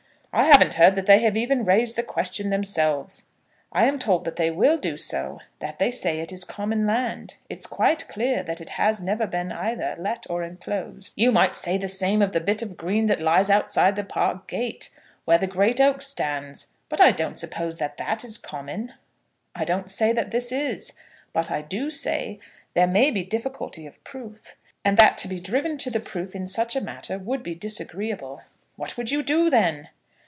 "I haven't heard that they have even raised the question themselves." "I'm told that they will do so, that they say it is common land. It's quite clear that it has never been either let or enclosed." "You might say the same of the bit of green that lies outside the park gate, where the great oak stands; but I don't suppose that that is common." "I don't say that this is but I do say that there may be difficulty of proof; and that to be driven to the proof in such a matter would be disagreeable." "What would you do, then?"